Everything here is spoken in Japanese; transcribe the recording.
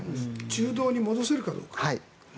中道に戻せるかどうか。